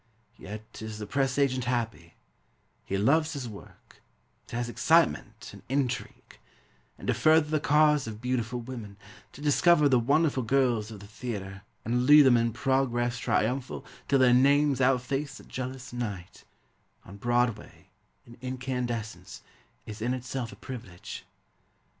Yet is the press agent happy; He loves his work; It has excitement and intrigue; And to further the cause of beautiful women, To discover the wonderful girls of the theatre, And lead them in progress triumphal Till their names outface the jealous night, On Broadway, in incandescents, Is in itself a privilege.